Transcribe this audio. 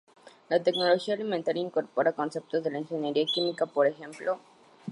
La tecnología alimentaria incorpora conceptos de la ingeniería química, por ejemplo.